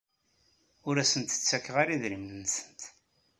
Ur asent-ttakreɣ idrimen-nsent.